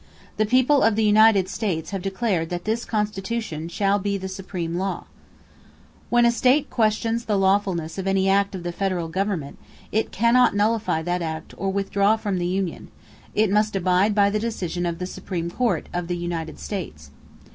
The people of the United States have declared that this Constitution shall be the supreme law." When a state questions the lawfulness of any act of the federal government, it cannot nullify that act or withdraw from the union; it must abide by the decision of the Supreme Court of the United States.